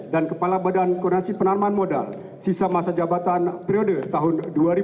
dalam sisa masa jabatan periode tahun dua ribu empat belas dua ribu sembilan belas